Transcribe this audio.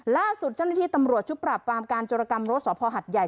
ล่าสุดเจ้าหน้าที่ตำรวจชุดปราบปรามการจรกรรมรถสภหัดใหญ่